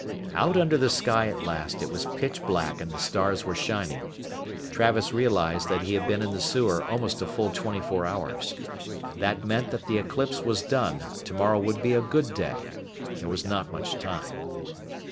Out under the sky at last it was pitch black and the stars were shining. Travis realized that he had been in the sewer almost a full 24 hours. That meant that the eclipse was done, tomorrow would be a good day. There was not much time.